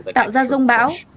tạo ra rông bão